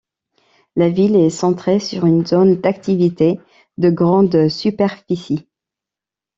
La ville est centrée sur une zone d'activité de grande superficie.